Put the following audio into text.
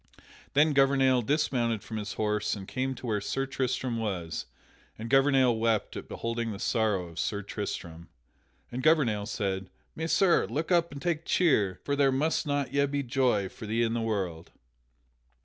Then Gouvernail dismounted from his horse and came to where Sir Tristram was, and Gouvernail wept at beholding the sorrow of Sir Tristram. And Gouvernail said: "Messire, look up and take cheer, for there must yet be joy for thee in the world."